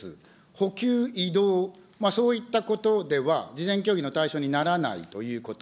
補給、移動、そういったことでは事前協議の対象にならないということ。